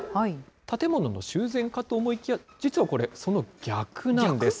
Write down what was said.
建物の修繕かと思いきや、実はこれ、その逆なんです。